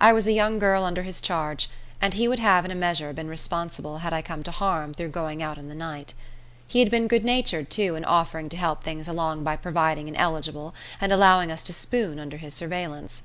I was a young girl under his charge, and he would have in a measure been responsible had I come to harm through going out in the night. He had been good natured, too, in offering to help things along by providing an eligible, and allowing us to "spoon" under his surveillance.